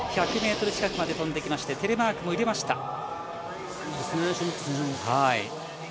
１００ｍ近くまで飛んできまして、テレマークも入れました。